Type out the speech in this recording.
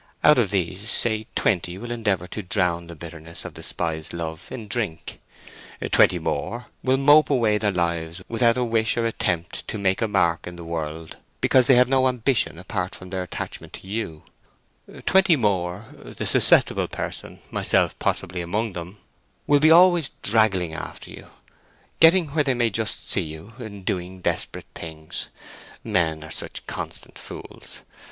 Out of these say twenty will endeavour to drown the bitterness of despised love in drink; twenty more will mope away their lives without a wish or attempt to make a mark in the world, because they have no ambition apart from their attachment to you; twenty more—the susceptible person myself possibly among them—will be always draggling after you, getting where they may just see you, doing desperate things. Men are such constant fools!